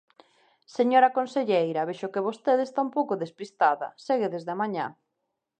Señora conselleira, vexo que vostede está un pouco despistada, segue desde a mañá.